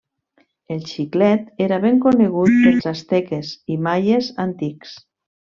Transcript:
El xiclet era ben conegut pels asteques i maies antics.